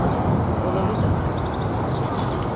Xolo vidaten.